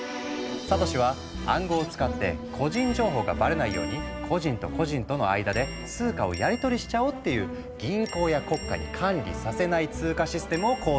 サトシは「暗号を使って個人情報がバレないように個人と個人との間で通貨をやりとりしちゃおう」っていう銀行や国家に管理させない通貨システムを構想したの。